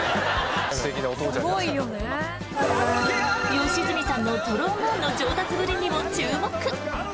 良純さんのトロンボーンの上達ぶりにも注目！